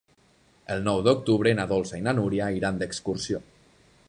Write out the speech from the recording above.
El nou d'octubre na Dolça i na Núria iran d'excursió.